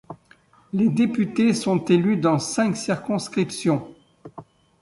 Les députés sont élus dans cinq circonscriptions.